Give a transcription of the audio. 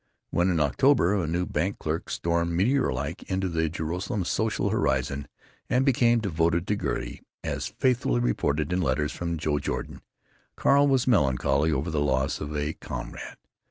When, in October, a new bank clerk stormed, meteor like, the Joralemon social horizon, and became devoted to Gertie, as faithfully reported in letters from Joe Jordan, Carl was melancholy over the loss of a comrade.